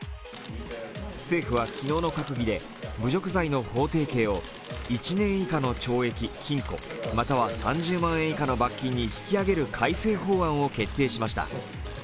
政府は昨日の閣議で、侮辱罪の法定刑を１年以下の懲役・禁錮または３０万円以下の罰金に引き上げる改正法案を決定しました。